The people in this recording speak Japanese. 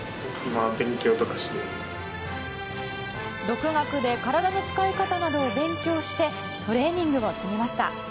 独学で体の使い方などを勉強してトレーニングを積みました。